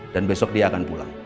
dan besok dia akan pulang